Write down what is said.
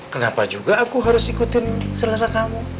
kenapa juga aku harus ikutin selera kamu